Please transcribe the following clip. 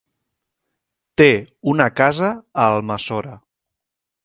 Té una casa a Almassora.